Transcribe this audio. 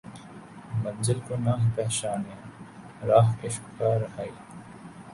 منزل کو نہ پہچانے رہ عشق کا راہی